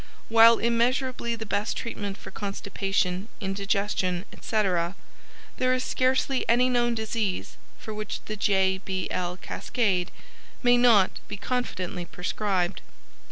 While immeasurably the best treatment for constipation, indigestion, etc., there is scarcely any known disease for which the "J.B.L. Cascade" may not be confidently prescribed.